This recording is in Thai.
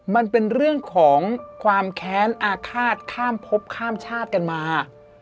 มันเป็นเรื่องของความแค้นอาฆาตข้ามพบข้ามชาติกันมา